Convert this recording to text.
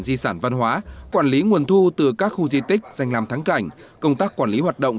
di sản văn hóa quản lý nguồn thu từ các khu di tích danh làm thắng cảnh công tác quản lý hoạt động